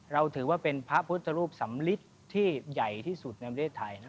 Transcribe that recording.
เราถือว่าเป็นพระพุทธรูปสำลิดที่ใหญ่ที่สุดในประเทศไทย